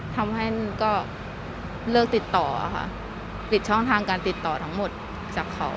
ทำให้ก็เลิกติดต่อค่ะปิดช่องทางการติดต่อทั้งหมดจากเขา